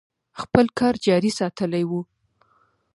خپل کار جاري ساتلی و.